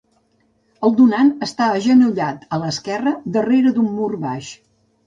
El donant està agenollat a l'esquerra darrere d'un mur baix.